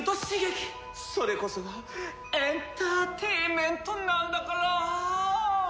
それこそがエンターテインメントなんだから！